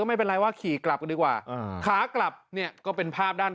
ไม่เป็นไรว่าขี่กลับกันดีกว่าอ่าขากลับเนี่ยก็เป็นภาพด้าน